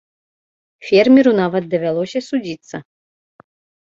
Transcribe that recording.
Фермеру нават давялося судзіцца.